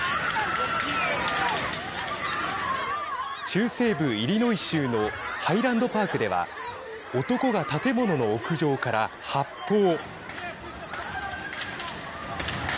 中西部イリノイ州のハイランドパークでは男が建物の屋上から発砲。